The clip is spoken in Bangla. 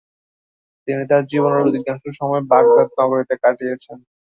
তিনি তার জীবনের অধিকাংশ সময় বাগদাদ নগরীতে কাটিয়েছেন।